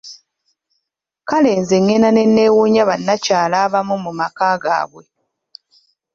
Kale nze ngenda ne nneewuunya bannakyala abamu mu maka gaabwe!